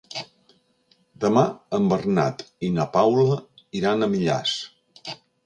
Demà en Bernat i na Paula iran a Millars.